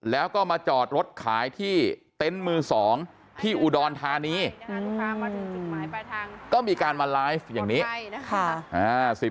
แล้วก็มาจอดรถขายที่เต็นต์มือ๒ที่อุดรธานีก็มีการมาไลฟ์อย่างนี้นะคะ